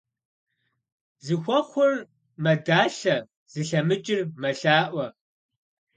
Зыхуэхъур мэдалъэ, зылъэмыкӀыр мэлъаӀуэ.